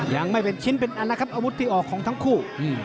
ยังไม่เป็นชิ้นเป็นอันแล้วครับอาวุธที่ออกของทั้งคู่